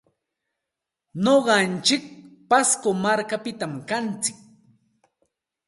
Nuqantsik pasco markapitam kantsik.